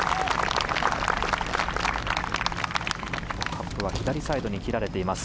カップは左サイドに切られています